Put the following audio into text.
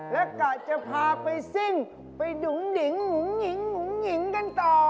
แล้วก็จะพาไปซิ่งไปดุ๋งดิ๋งหงุงหงิงหงุงหงิงกันต่อ